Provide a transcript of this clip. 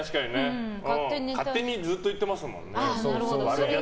勝手にずっと言ってますもんね。